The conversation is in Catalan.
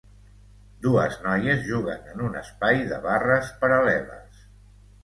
Dues noies juguen en un espai de barres paral·leles